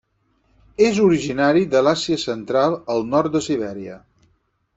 És originari de l'Àsia central, al nord de Sibèria.